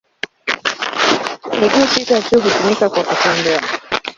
Miguu sita tu hutumika kwa kutembea.